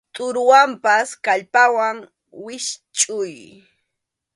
Tʼuruwanpas kallpawan wischʼuy.